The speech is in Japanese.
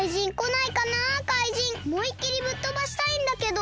おもいっきりぶっとばしたいんだけど！